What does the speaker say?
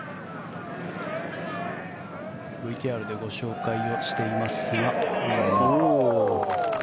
ＶＴＲでご紹介をしていますが。